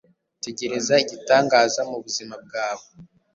Tegereza igitangaza mu buzima bwawe.